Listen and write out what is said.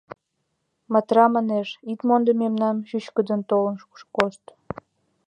«Матра, — манеш, — ит мондо мемнам, чӱчкыдын толын кошт.